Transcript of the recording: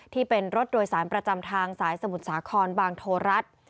ที่เป็นรถโดยสารประจำทางสายสมุทรสาครบางโทรัฐ